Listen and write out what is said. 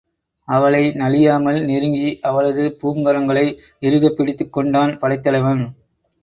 அவளை நலியாமல் நெருங்கி, அவளது பூங்கரங்களை இறுகப் பிடித்துக் கொண்டான் படைத்தலைவன்.